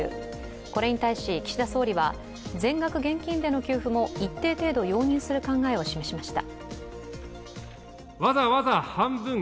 これに対し岸田総理は全額現金での給付も一定程度容認する考えを示しました。